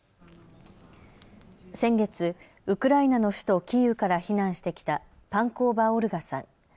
先月、ウクライナの首都キーウから避難してきたパンコーヴァ・オルガさん。